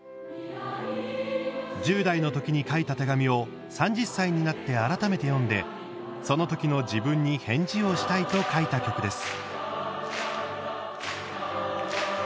１０代の時に書いた手紙を３０歳になって改めて読んでその時の自分に返事をしたいと書いた曲です。